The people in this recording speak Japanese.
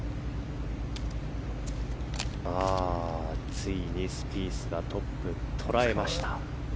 ついにスピースがトップを捉えました。